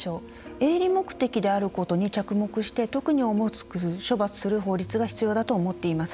営利目的であることに着目して特に重く処罰する法律が必要だと思っています。